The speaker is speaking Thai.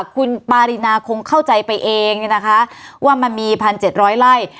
คุณปารินาคงเข้าใจไปเองเนี่ยนะคะว่ามันมีพันเจ็ดร้อยไล่